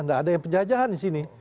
tidak ada yang penjajahan di sini